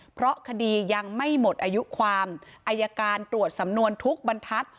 เพราะคดียังไม่หมดอายุความอายการตรวจสำนวนทุกบรรทัศน์